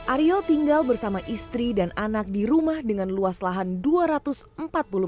ariel tinggal bersama istri dan anak di rumah dengan luas lahan dua jalan